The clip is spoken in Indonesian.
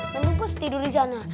nanti bos tidur disana